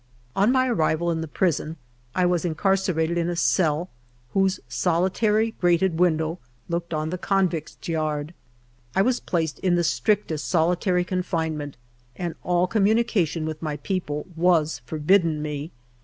On my arrival in the prison I was incarcerated in a cell whose solitary grated window looked on ALFRED DREYFUS ii the convicts' yard. I was placed in the strictest solitary confinement and all communication with my people was forbidden me.